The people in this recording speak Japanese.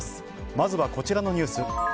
まずはこちらのニュース。